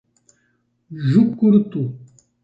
Jucurutu